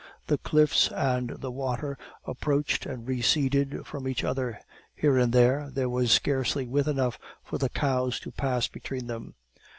The cliffs and the water approached and receded from each other; here and there, there was scarcely width enough for the cows to pass between them.